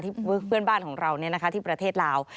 เพื่อนบ้านของเราที่ประเทศลาว